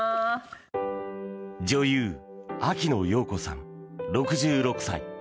女優・秋野暢子さん、６６歳。